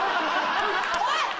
おい！